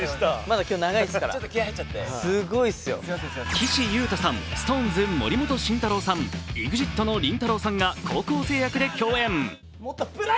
岸優太さん、ＳｉｘＴＯＮＥＳ・森本慎太郎さん、ＥＸＩＴのりんたろーさんが高校生役で共演。